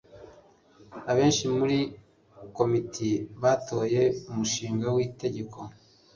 abenshi muri komite batoye umushinga w'itegeko